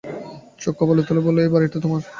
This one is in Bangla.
চোখ কপালে তুলে বলল, এই বাড়িটা তোমার!